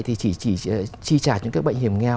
thì chỉ chi trả cho các bệnh hiểm nghèo